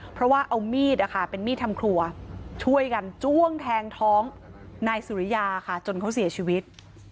เพราะว่าเอามีดนะคะเป็นมีดทำครัวช่วยกันจ้วงแทงท้องนายสุริยาค่ะจนเขาเสียชีวิต